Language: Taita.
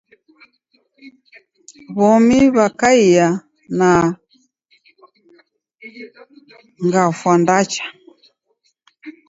W'omi w'akaia na gafwa ndacha.